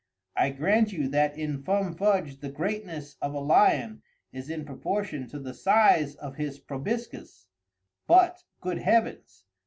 I grant you that in Fum Fudge the greatness of a lion is in proportion to the size of his proboscis—but, good heavens!